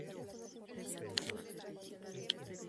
Contienen lisosomas y cuerpos residuales.